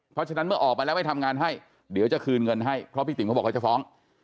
เพราะฉะนั้นเมื่อออกมาแล้วไม่ทำงานให้เดี๋ยวจะคืนเงินให้เพราะพี่ติ๋มเขาบอกเขาจะฟ้อง